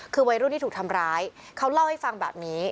คือวัยรุ่นที่ถูกทำร้ายเขาเล่าให้ฟังแบบนี้